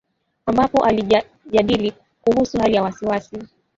ambapo alijadili kuhusu hali ya wasi wasi